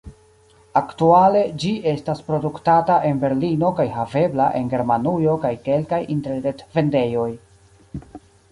Aktuale ĝi estas produktata en Berlino kaj havebla en Germanujo kaj kelkaj interret-vendejoj.